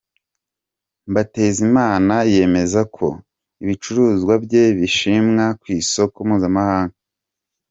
Mbatezimana yemeza ko ibicuruzwa bye bishimwa ku isoko mpuzamahanga.